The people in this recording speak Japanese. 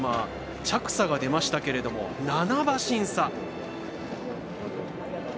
着差が出ましたけど７馬身差。